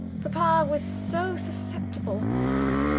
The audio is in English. Papa was so susceptible!